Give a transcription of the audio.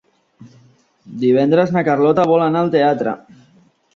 Divendres na Carlota vol anar al teatre.